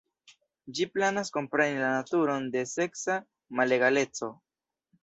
Ĝi planas kompreni la naturon de seksa malegaleco.